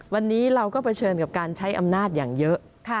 วันนี้เราก็เผชิญกับการใช้อำนาจอย่างเยอะ